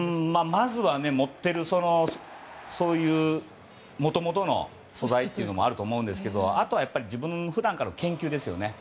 まずは持っているもともとの素材というのもあると思うんですけどもあとは、普段からの研究ですね。